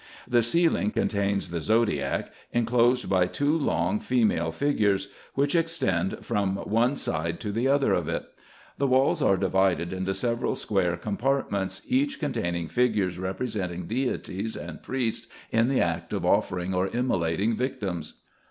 The ceiling contains the zodiac, in closed by two long female figures, which extend from one side to IN EGYPT, NUBIA, &c. 35 the other of it, The walls are divided into several square com partments, each containing figures representing deities, and priests in the act of offering or immolating victims.